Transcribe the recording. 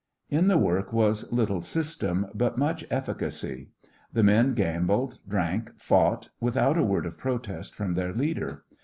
In the work was little system, but much efficacy. The men gambled, drank, fought, without a word of protest from their leader.